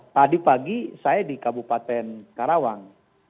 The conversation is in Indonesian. tadi pagi saya di kabupaten karawang